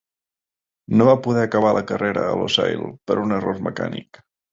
No va poder acabar la carrera a Losail per un error mecànic.